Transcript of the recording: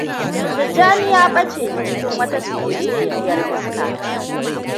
Tijjani ya ɓace cikin wata siririyar iska.